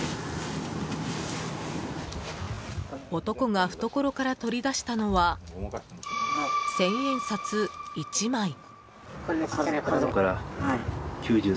男が懐から取り出したのは千円札１枚。